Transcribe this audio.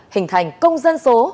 hình thành công dân số